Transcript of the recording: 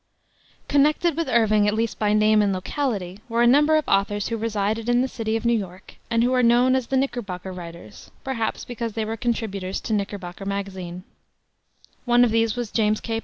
Connected with Irving, at least by name and locality, were a number of authors who resided in the city of New York and who are known as the Knickerbocker writers, perhaps because they were contributors to the Knickerbocker Magazine. One of these was James K.